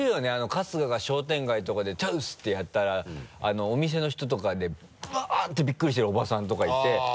春日が商店街とかで「トゥース」ってやったらお店の人とかで「うわぁ！」ってビックリしてるおばさんとかいてあぁ。